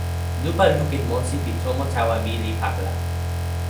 lupa lukin monsi pi tomo tawa mi li pakala.